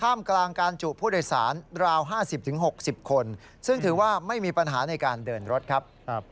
กลางการจุผู้โดยสารราว๕๐๖๐คนซึ่งถือว่าไม่มีปัญหาในการเดินรถครับ